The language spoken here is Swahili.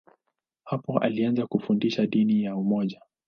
Hapo alianza kufundisha dini ya umoja.